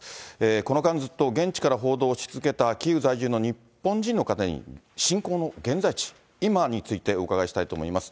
この間、ずっと現地から報道を続けたキーウ在住の日本人の方に、侵攻の現在地、今についてお伺いしたいと思います。